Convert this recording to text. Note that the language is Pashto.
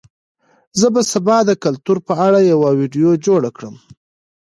زه به سبا د کلتور په اړه یوه ویډیو جوړه کړم.